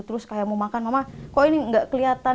terus kayak mau makan mama kok ini nggak kelihatan